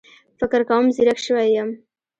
فکر کوم ځيرک شوی يم